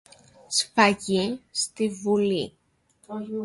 Και κατεβήκαμε στην κουζίνα.